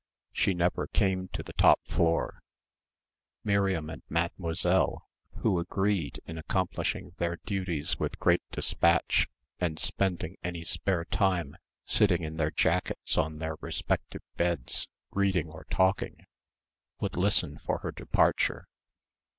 She never came to the top floor. Miriam and Mademoiselle, who agreed in accomplishing their duties with great despatch and spending any spare time sitting in their jackets on their respective beds reading or talking, would listen for her departure.